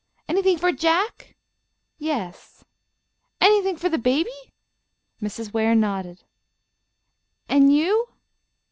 "Anything for Jack?" "Yes." "Anything for the baby?" Mrs. Ware nodded. "And you?"